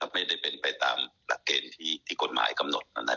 ไม่ได้เป็นไปตามหลักเกณฑ์ที่กฎหมายกำหนด